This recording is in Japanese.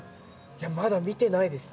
いやまだ見てないですね。